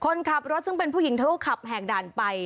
คนขับรถซึ่งเป็นผู้หญิงเธอก็ขับแหกด่านไป